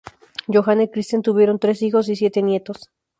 Johanna y Kristen tuvieron tres hijos y siete nietos.